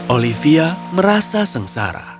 olivia merasa sengsara